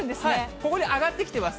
ここに上がってきてます。